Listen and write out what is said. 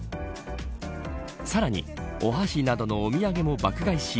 さらに、お箸などのお土産も爆買いし